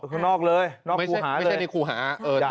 ไม่ใช่ถ่ายข้างนอกข้างขู่หา